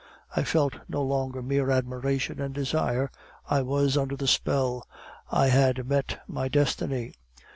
I felt no longer mere admiration and desire: I was under the spell; I had met my destiny.